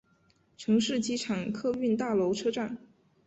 城市机场客运大楼车站。